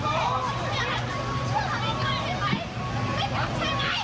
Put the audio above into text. ให้มอยพูดได้จ้างก็ไงฮะ